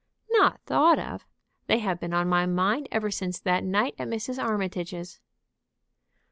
"Not thought of! They have been on my mind ever since that night at Mrs. Armitage's."